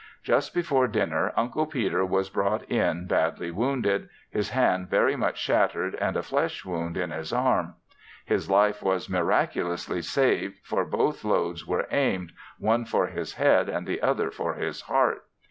Just before dinner Uncle Peter was brought in badly wounded, his hand very much shattered and a flesh wound in his arm. His life was miraculously saved for both loads were aimed, one for his head and the other for his heart.